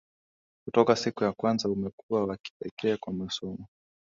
Kutoka siku ya kwanza umekuwa wa kipekee kwa masomo.